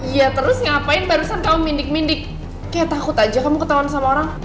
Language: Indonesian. iya terus ngapain barusan kamu mindik mindik kayak takut aja kamu ketahuan sama orang